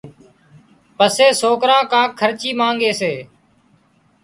پسي سوڪران ڪانڪ خرچي مانڳي سي